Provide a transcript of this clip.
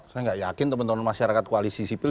saya nggak yakin teman teman masyarakat koalisi sipil